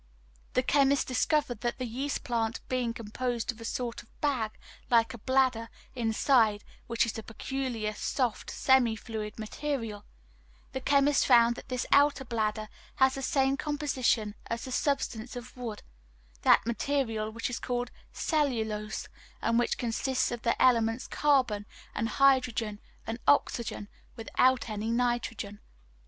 The chemist discovered that the yeast plant being composed of a sort of bag, like a bladder, inside which is a peculiar soft, semifluid material the chemist found that this outer bladder has the same composition as the substance of wood, that material which is called "cellulose," and which consists of the elements carbon and hydrogen and oxygen, without any nitrogen.